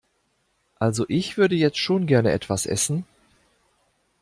Also ich würde jetzt schon gerne etwas essen.